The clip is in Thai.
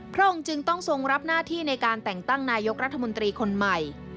พระองค์จึงต้องทรงรับหน้าที่ในการแต่งตั้งนายกรัฐมนตรีคนใหม่